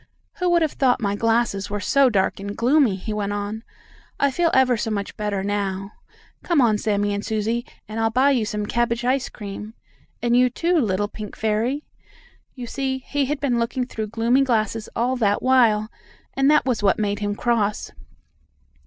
"Who would have thought my glasses were so dark and gloomy?" he went on. "I feel ever so much better, now. Come on, Sammie and Susie, and I'll buy you some cabbage ice cream. And you too, little pink fairy." You see, he had been looking through gloomy glasses all that while, and that was what made him cross.